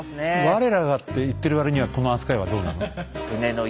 「我らが」って言ってる割にはこの扱いはどうなの？